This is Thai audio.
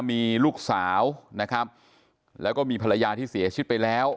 มีลูกสาวนะครับแล้วก็มีภรรยาที่เสียชีวิตไปแล้ว